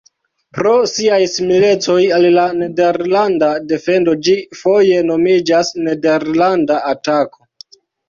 Pro siaj similecoj al la nederlanda defendo ĝi foje nomiĝas nederlanda atako.